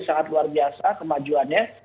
sangat luar biasa kemajuannya